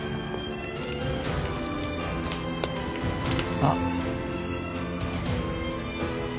あっ。